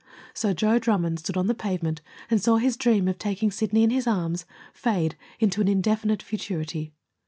So Joe Drummond stood on the pavement and saw his dream of taking Sidney in his arms fade into an indefinite futurity.